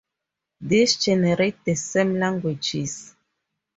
These generate the same languages.